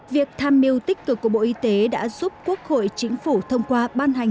việc tham mưu tích cực của bộ y tế đã giúp quốc hội chính phủ thông qua ban hành